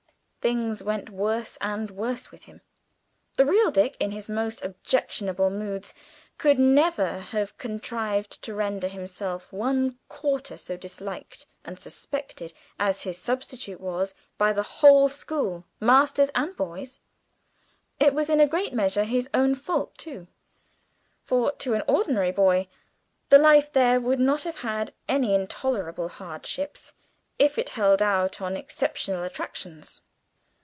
Things went worse and worse with him. The real Dick in his most objectionable moods could never have contrived to render himself one quarter so disliked and suspected as his substitute was by the whole school masters and boys. It was in a great measure his own fault, too; for to an ordinary boy the life there would not have had any intolerable hardships, if it held out no exceptional attractions.